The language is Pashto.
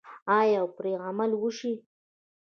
آیا او پرې عمل وشي؟